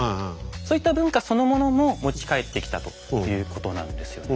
そういった文化そのものも持ち帰ってきたということなんですよね。